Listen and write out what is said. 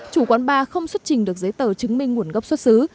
chủ quán ba không xuất trình được giấy tờ chứng minh nguồn gốc xuất xứ